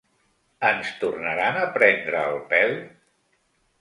Ens tornaran a prendre el pèl?